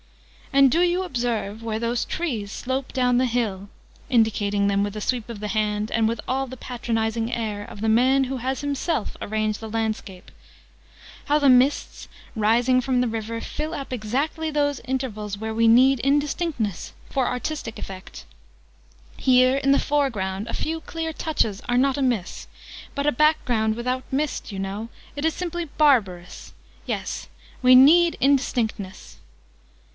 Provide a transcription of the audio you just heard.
"And do you observe, where those trees slope down the hill," (indicating them with a sweep of the hand, and with all the patronising air of the man who has himself arranged the landscape), "how the mists rising from the river fill up exactly those intervals where we need indistinctness, for artistic effect? Here, in the foreground, a few clear touches are not amiss: but a back ground without mist, you know! It is simply barbarous! Yes, we need indistinctness!"